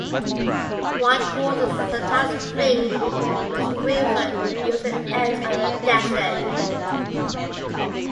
Wild horses sometimes drink from the springs on the eastern edge of the desert.